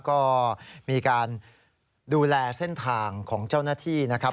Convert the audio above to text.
ก็มีการดูแลเส้นทางของเจ้าหน้าที่นะครับ